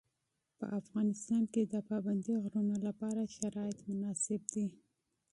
په افغانستان کې د پابندي غرونو لپاره شرایط مناسب دي.